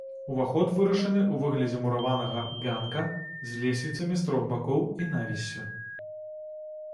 Уваход вырашаны ў выглядзе мураванага ганка з лесвіцамі з трох бакоў і навіссю.